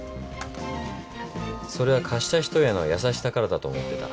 それは貸した人への優しさからだと思ってた。